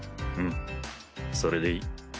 うんそれでいい。